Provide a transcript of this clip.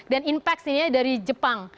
dan inpex ini dari jepang